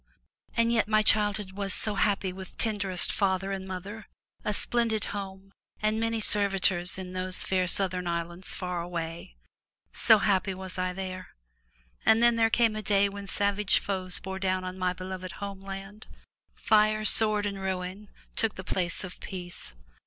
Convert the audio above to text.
And yet my childhood was so happy with tenderest father and mother, a splendid home and many servitors in those fair southern islands far away. So happy was I there! And then there came a day when savage foes bore down on my beloved homeland. Fire, sword and ruin took the place of peace.